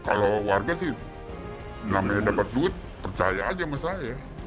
kalau warga sih namanya dapat duit percaya aja sama saya